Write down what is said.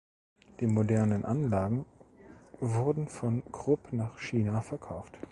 Die modernen Anlagen wurden von Krupp nach China verkauft.